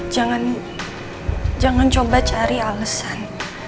jangan jangan coba cari alesan